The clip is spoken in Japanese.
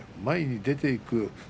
前に出ていく。